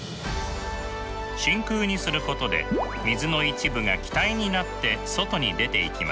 真空にすることで水の一部が気体になって外に出ていきます。